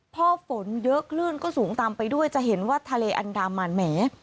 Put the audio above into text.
พอฝนเยอะคลื่นก็สูงตามไปด้วยจะเห็นว่าทะเลอันดามันแหม